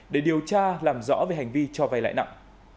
để điều tra làm rõ về hành vi cho vay lãi nặng